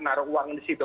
naruh uang di situ